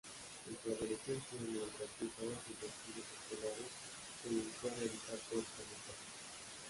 En su adolescencia, mientras cursaba sus estudios escolares, se dedicó a realizar cortometrajes.